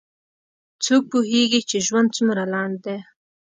څوک پوهیږي چې ژوند څومره لنډ ده